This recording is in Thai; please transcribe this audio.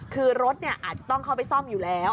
คือรถอาจจะต้องเข้าไปซ่อมอยู่แล้ว